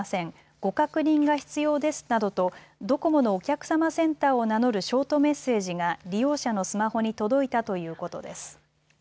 ご確認が必要ですなどとドコモのお客様センターを名乗るショートメッセージが利用者のスマホに届いたということです。